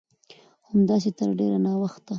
همداسې تر ډېره وخته